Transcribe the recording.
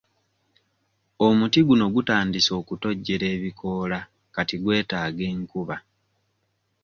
Omuti guno gutandise okutojjera ebikoola kati gwetaaga enkuba.